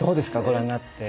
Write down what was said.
ご覧になって。